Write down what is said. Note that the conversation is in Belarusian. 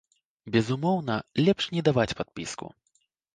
Безумоўна, лепш не даваць падпіску.